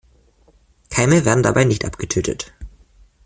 Keime werden dabei nicht abgetötet.